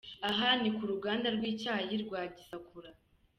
Aha ni ku ruganda rw’icyayi rwa Gisakura.